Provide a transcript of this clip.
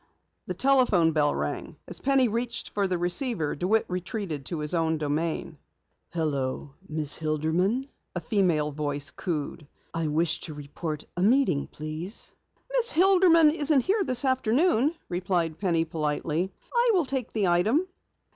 The telephone bell rang. As Penny reached for the receiver, DeWitt retreated to his own domain. "Hello, Miss Hilderman?" a feminine voice cooed, "I wish to report a meeting, please." "Miss Hilderman isn't here this afternoon," replied Penny politely. "I will take the item."